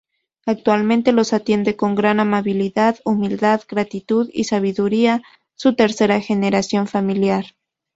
Actualmente los atiende con gran amabilidad, humildad, gratitud y sabiduría su tercera generación familiar.